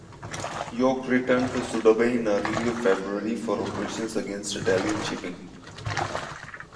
"York" returned to Suda Bay in early February for operations against Italian shipping.